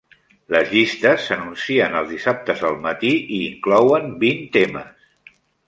Les llistes s'anuncien els dissabtes al matí i inclouen vint temes.